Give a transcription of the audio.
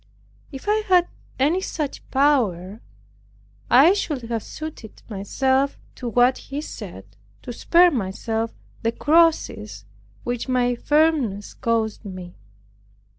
If I had any such power I should have suited myself to what he said, to spare myself the crosses which my firmness caused me.